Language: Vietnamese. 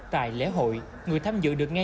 tại lễ hội người tham dự được nghe